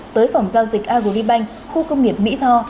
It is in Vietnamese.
tới phòng giao dịch agribank khu công nghiệp mỹ tho